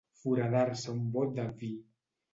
Foradar-se un bot de vi.